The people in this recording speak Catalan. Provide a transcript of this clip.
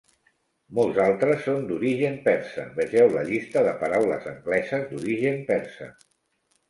Moltes altres són d'origen persa; vegeu la Llista de paraules angleses d'origen persa.